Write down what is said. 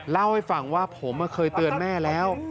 เล่าให้ฟังว่าผมเคยเตือนแม่แล้ว